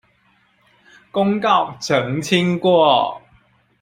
公告澄清過